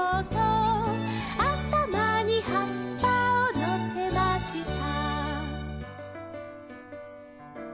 「あたまにはっぱをのせました」